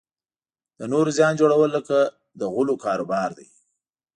د نورو زیان جوړول لکه د غولو کاروبار دی.